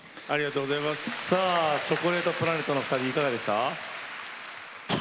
さあチョコレートプラネットのお二人いかがでした？